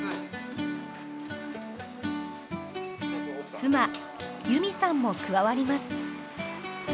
妻由美さんも加わります。